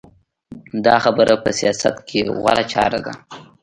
دا خبره په سیاست کې غوره چاره ده.